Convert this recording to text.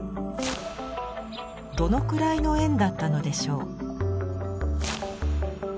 どのくらいの円だったのでしょう？